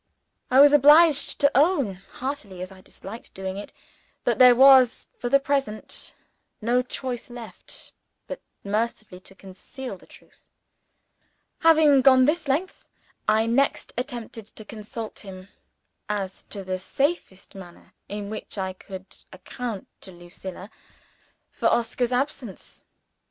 I was obliged to own (heartily as I disliked doing it) that there was, for the present, no choice left but mercifully to conceal the truth. Having gone this length I next attempted to consult him as to the safest manner in which I could account to Lucilla for Oscar's absence.